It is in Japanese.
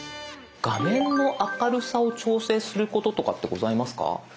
画面の明るさを調整することとかってございますか？